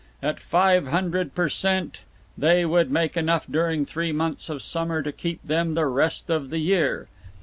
At five hundred per cent. they would make enough during three months of summer to keep them the rest of the year.